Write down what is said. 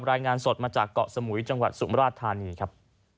รายงานสดมาจากเกาะสมุยจังหวัดสุมราชธานีครับ